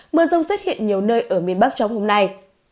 mở rộng xuất hiện nhiều nơi ở miền bắc trong hôm nay